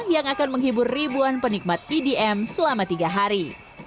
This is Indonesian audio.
yang akan menghibur ribuan penikmat edm selama tiga hari